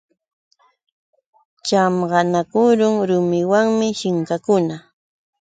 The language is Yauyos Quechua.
Chamqanakurun rumiwanmi shinkakuna.